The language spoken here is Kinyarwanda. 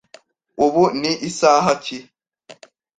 Ubu ni isaha ki?